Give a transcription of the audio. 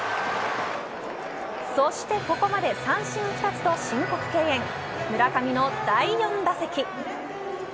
そして、ここまで三振２つと申告敬遠村上の第４打席。